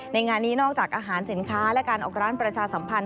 งานนี้นอกจากอาหารสินค้าและการออกร้านประชาสัมพันธ